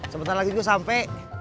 sebentar lagi gue sampe